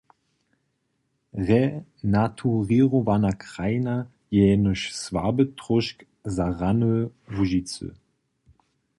Renaturěrowana krajina je jenož słaby tróšt za rany Łužicy.